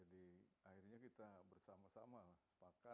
jadi akhirnya kita bersama sama